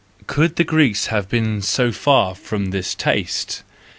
" Could the Greeks have been so far from this taste